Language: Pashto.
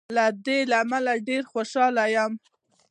له دې امله ډېر خوشاله یم.